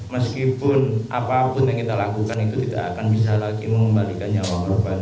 meskipun apapun yang kita lakukan itu tidak akan bisa lagi mengembalikan nyawa korban